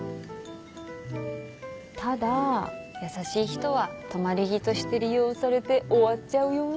ただ優しい人は止まり木として利用されて終わっちゃうよ。